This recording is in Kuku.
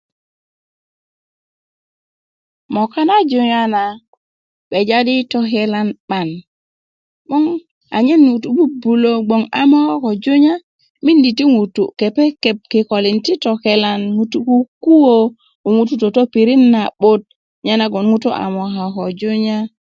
moka na junya na gbeja di tokelan 'ban 'boŋ a nyen ŋutu 'bu'bulö gboŋ a moka ko junya mindi ti ŋutu kepekep kikolin ti tokelan ŋutu kukuwö ŋutu' toto yi pirit na'but nyenagoŋ ŋutu a moka ko junya